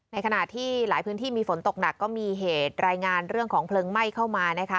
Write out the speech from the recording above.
ขณะที่หลายพื้นที่มีฝนตกหนักก็มีเหตุรายงานเรื่องของเพลิงไหม้เข้ามานะคะ